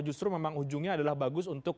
justru memang ujungnya adalah bagus untuk